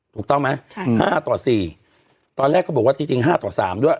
ถูกต้องไหม๕ต่อ๔ตอนแรกเขาบอกว่าจริง๕ต่อ๓ด้วย